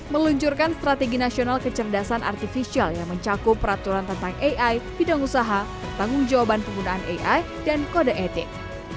meluncurkan strategi nasional kecerdasan artificial yang mencakup peraturan tentang ai bidang usaha pertanggung jawaban penggunaan ai dan kode etik